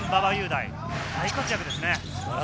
大活躍ですね。